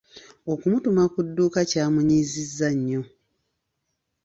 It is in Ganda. Okumutuma ku dduuka kyamunyiizizza nnyo.